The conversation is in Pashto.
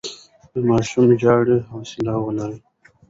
که ماشوم ژاړي، حوصله ولرئ.